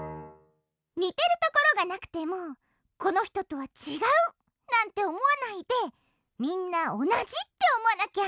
にてるところがなくても「このひととはちがう」なんておもわないで「みんなおなじ」っておもわなきゃ。